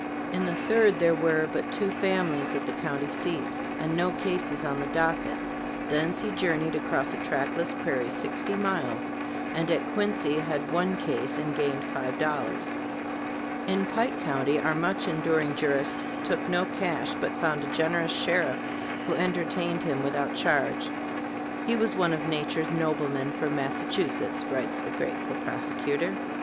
In the third there were but two families at the county seat, and no cases on the docket. Thence he journeyed across a trackless prairie sixty miles, and at Quincy had one case and gained five dollars. In Pike County our much enduring jurist took no cash, but found a generous sheriff who entertained him without charge. "He was one of nature's noblemen, from Massachusetts," writes the grateful prosecutor.